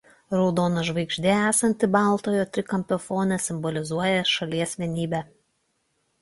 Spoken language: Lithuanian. Raudona žvaigždė esanti baltojo trikampio fone simbolizuoja šalies vienybę.